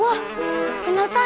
wah penelta awan